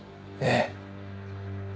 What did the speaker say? ええ。